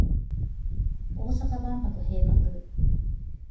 大阪万博閉幕